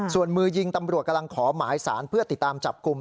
ส่วนมือยิงตำรวจกำลังขอหมายสารเพื่อติดตามจับกลุ่ม